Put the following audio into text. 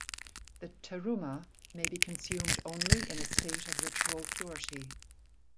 The "terumah" may be consumed only in a state of ritual purity.